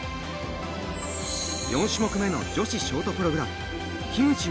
４種目目の女子ショートプログラム樋口